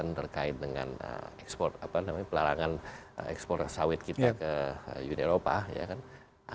ini juga berkait dengan pelarangan ekspor sawit kita ke uni eropa